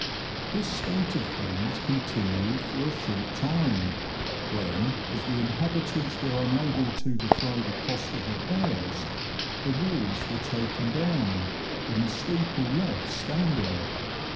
This state of things continued for a short time, when, as the inhabitants w^ere unable to defray the cost of repairs, the walls were taken down, and the steeple left standing.